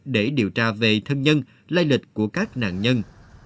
để điều tra về thân nhân lai lịch của các nạn nhân